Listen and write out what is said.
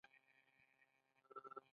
آیا دوی د سرو زرو کانونه نلري؟